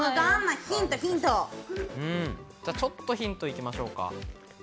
ちょっとヒント行きましょう。